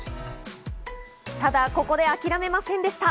ただここで諦めませんでした。